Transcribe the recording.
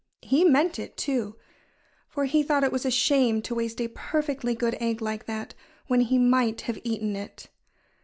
He meant it, too. For he thought it was a shame to waste a perfectly good egg like that, when he might have eaten it.